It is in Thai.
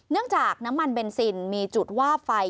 เนื่องจากน้ำมันเบนซินมีจุดวาบไฟ